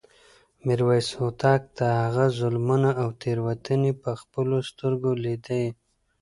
میرویس هوتک د هغه ظلمونه او تېروتنې په خپلو سترګو لیدې.